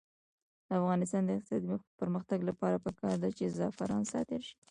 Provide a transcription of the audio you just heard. د افغانستان د اقتصادي پرمختګ لپاره پکار ده چې زعفران صادر شي.